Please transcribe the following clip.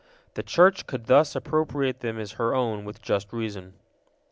The Church could thus appropriate them as her own with just reason.